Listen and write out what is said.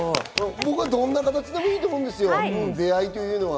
どんな形でもいいと思うんですよ、出会いというのは。